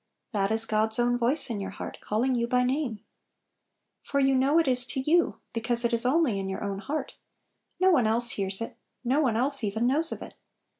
That is God's own voice in your heart, calling you by name ! For you know it is to you, be cause it is only in your own heart; no one else hears it, no one else even knows of it.